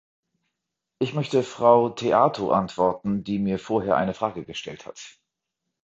Ich möchte Frau Theato antworten, die mir vorher eine Frage gestellt hat.